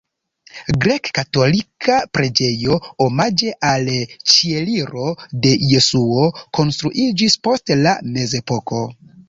Grek-katolika preĝejo omaĝe al Ĉieliro de Jesuo konstruiĝis post la mezepoko.